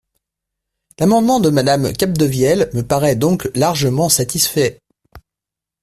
L’amendement de Madame Capdevielle me paraît donc largement satisfait.